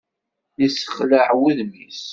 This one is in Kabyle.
Yessexlaɛ wudem-is.